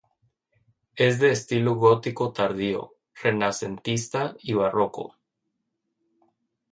Es de estilo Gótico tardío, renacentista y Barroco.